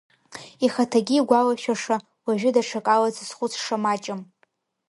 Ихаҭагьы игәалашәаша, уажәы даҽакала дзызхәыцша маҷым.